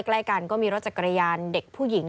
ใกล้กันก็มีรถจักรยานเด็กผู้หญิง